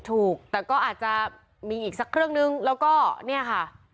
ถูกแต่ก็อาจจะมีอีกสักเครื่องนึงแล้วก็เนี่ยค่ะ